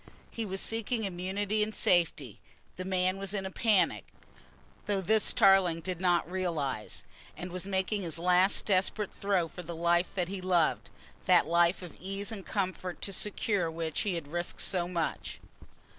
He was seeking immunity and safety. The man was in a panic, though this Tarling did not realise, and was making his last desperate throw for the life that he loved, that life of ease and comfort to secure which he had risked so much.